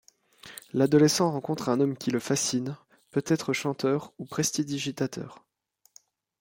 L'adolescent rencontre un homme qui le fascine, peut-être chanteur ou prestidigitateur.